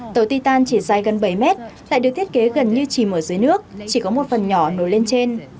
tàu ti tàn chỉ dài gần bảy mét lại được thiết kế gần như chìm ở dưới nước chỉ có một phần nhỏ nổi lên trên